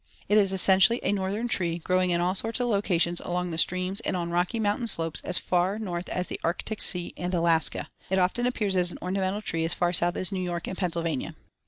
It is essentially a northern tree growing in all sorts of locations along the streams and on rocky mountain slopes as far north as the Arctic Sea and Alaska. It often appears as an ornamental tree as far south as New York and Pennsylvania.